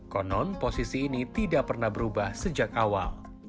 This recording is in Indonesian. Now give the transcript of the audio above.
konon posisi ini tidak pernah berubah sejak awal